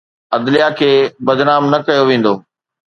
عدليه کي بدنام نه ڪيو ويندو.